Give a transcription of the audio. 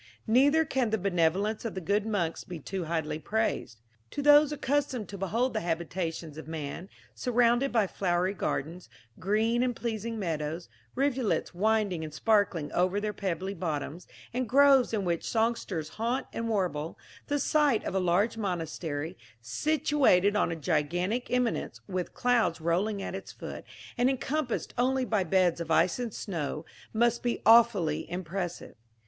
Neither can the benevolence of the good monks be too highly praised. To those accustomed to behold the habitations of man, surrounded by flowery gardens, green and pleasing meadows, rivulets winding and sparkling over their pebbly bottoms, and groves in which songsters haunt and warble, the sight of a large monastery, situated on a gigantic eminence, with clouds rolling at its foot, and encompassed only by beds of ice and snow, must be awfully impressive.